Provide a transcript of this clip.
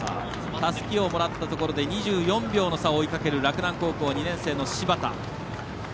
たすきをもらったところで２４秒の差を追いかける洛南高校、２年生の柴田。